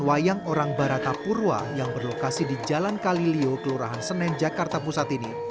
wayang orang barata purwa yang berlokasi di jalan kalilio kelurahan senen jakarta pusat ini